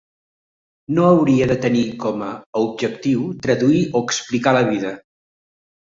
No hauria de tenir com a objectiu traduir o explicar la vida.